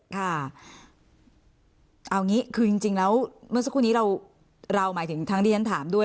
ค่ะเอางี้คือจริงแล้วเมื่อสักครู่นี้เราหมายถึงทั้งที่ฉันถามด้วย